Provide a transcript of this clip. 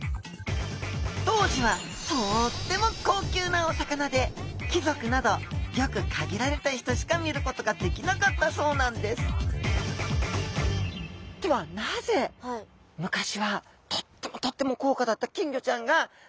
当時はとっても高級なお魚で貴族などギョく限られた人しか見ることができなかったそうなんですではなぜえっ何でなんだろう？